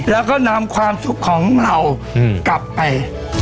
แล้วก็นำความสุขของเรากลับไป